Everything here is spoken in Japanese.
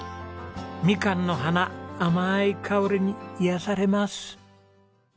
みかんの花あまーい香りに癒やされます。